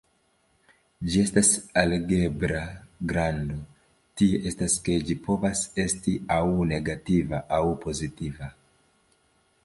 Ĝi estas algebra grando, tie estas, ke ĝi povas esti aŭ negativa aŭ pozitiva.